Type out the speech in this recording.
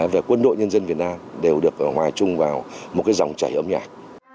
về quân đội nhân dân việt nam đều được hòa chung vào một dòng chảy âm nhạc